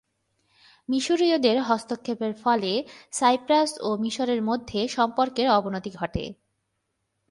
মিশরীয়দের হস্তক্ষেপের ফলে সাইপ্রাস ও মিশরের মধ্যে সম্পর্কের অবনতি ঘটে।